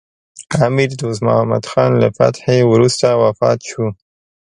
امیر دوست محمد خان له فتحې وروسته وفات شو.